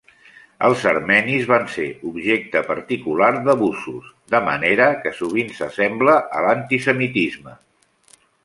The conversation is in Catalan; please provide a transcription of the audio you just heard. Els armenis van ser objecte particular d'abusos, de manera que sovint s'assembla a l'antisemitisme.